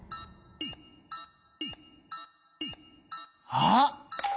あっ！